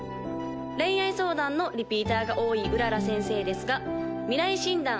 恋愛相談のリピーターが多い麗先生ですが未来診断